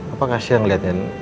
apa kasih yang ngeliatnya